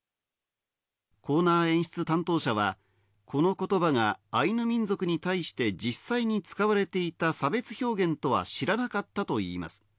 コーナー演出担当者は、この言葉がアイヌ民族に対して実際に使われていた差別表現とは知らなかったといいます。